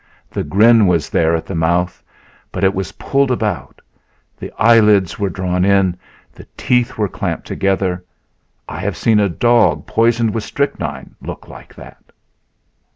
The grin was there at the mouth, but it was pulled about; the eyelids were drawn in; the teeth were clamped together. I have seen a dog poisoned with strychnine look like that.